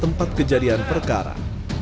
tempat kejadian perkara